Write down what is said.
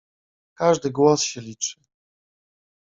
Każdy głos się liczy.